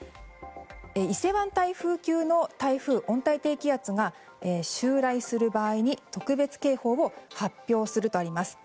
伊勢湾台風級の台風、温帯低気圧が襲来する場合に特別警報を発表するとあります。